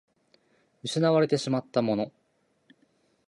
失われてしまったもの